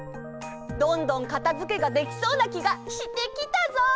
どんどんかたづけができそうなきがしてきたぞ。